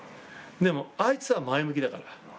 でもあいつは前向きだから。